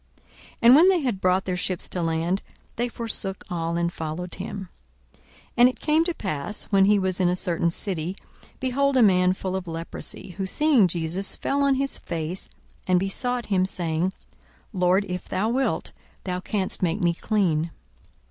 42:005:011 And when they had brought their ships to land, they forsook all, and followed him. 42:005:012 And it came to pass, when he was in a certain city, behold a man full of leprosy: who seeing Jesus fell on his face, and besought him, saying, Lord, if thou wilt, thou canst make me clean.